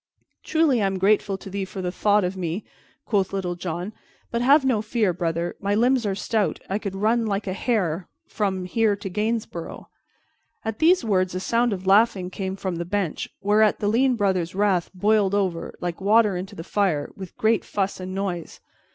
"Truly, I am grateful to thee for the thought of me," quoth Little John, "but have no fear, brother; my limbs are stout, and I could run like a hare from here to Gainsborough." At these words a sound of laughing came from the bench, whereat the lean Brother's wrath boiled over, like water into the fire, with great fuss and noise.